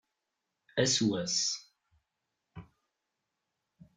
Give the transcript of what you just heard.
Ass wass.